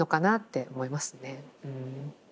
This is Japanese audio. うん。